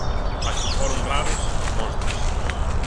As que foron raras, monstras.